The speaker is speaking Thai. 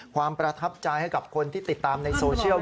ประทับใจให้กับคนที่ติดตามในโซเชียล